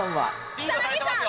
リードされてますよ。